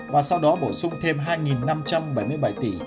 và sau đó bổ sung thêm hai năm trăm bảy mươi bảy tỷ